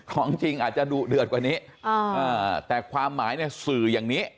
ของจริงอาจจะดุเดือดกว่านี้แต่ความหมายในสื่ออย่างนี้